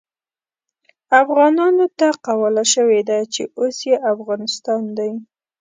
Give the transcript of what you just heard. افغانانو ته قواله شوې ده چې اوس يې افغانستان دی.